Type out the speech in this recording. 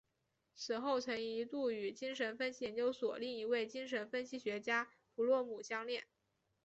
此后曾一度与精神分析研究所另一位精神分析学家弗洛姆相恋。